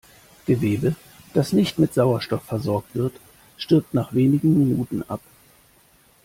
Gewebe, das nicht mit Sauerstoff versorgt wird, stirbt nach wenigen Minuten ab.